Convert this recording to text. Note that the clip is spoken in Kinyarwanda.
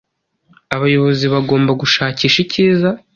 Abayobozi bagomba gushakisha icyiza